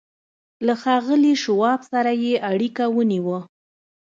له ښاغلي شواب سره يې اړيکه ونيوه.